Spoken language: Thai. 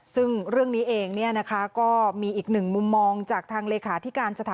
ซึ่งเรื่องนี้เองเนี่ยนะคะก็มีอีกหนึ่งมุมมองจากทางเลขาธิการสถาน